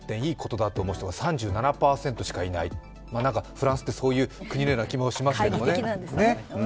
フランスってそういう国のような気もしますけどね。